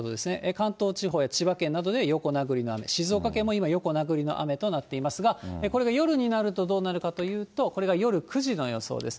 関東地方や千葉県などで横殴りの雨、静岡県も今、横殴りの雨となっていますが、これが夜になるとどうなるかというと、これが夜９時の予想です。